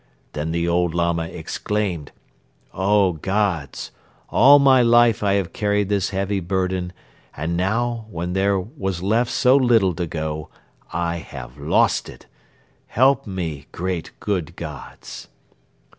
Then the old Lama exclaimed: "'Oh Gods! All my life I have carried this heavy burden and now, when there was left so little to go, I have lost it. Help me, great, good Gods!